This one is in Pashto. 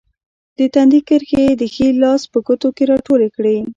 د تندي کرښې یې د ښي لاس په ګوتو کې راټولې کړې.